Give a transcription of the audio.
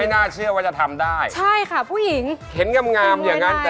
เมื่อเวลาถูกแมนถูกดูดเล่นแล้วหมด